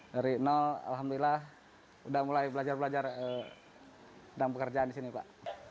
dari nol alhamdulillah sudah mulai belajar belajar dan pekerjaan di sini pak